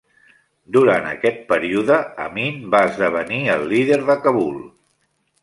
Durant aquest període, Amin va esdevenir el líder de Kabul.